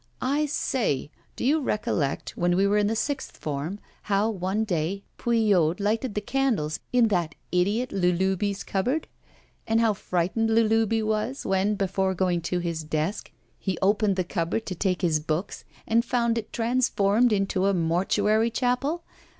'I say, do you recollect, when we were in the sixth form, how, one day, Pouillaud lighted the candles in that idiot Lalubie's cupboard? And how frightened Lalubie was when, before going to his desk, he opened the cupboard to take his books, and found it transformed into a mortuary chapel?